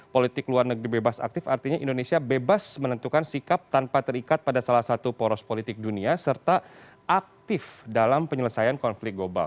politik luar negeri bebas aktif artinya indonesia bebas menentukan sikap tanpa terikat pada salah satu poros politik dunia serta aktif dalam penyelesaian konflik global